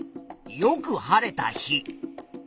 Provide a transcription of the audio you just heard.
よく晴れた日。